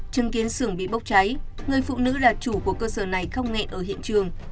chứng kiến xưởng bị bốc cháy người phụ nữ là chủ của cơ sở này không nghệ ở hiện trường